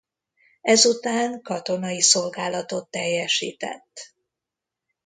Ezután katonai szolgálatot teljesített.